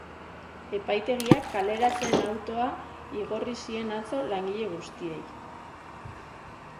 Epaitegiak kaleratzeen autoa igorri zien atzo langile guztiei.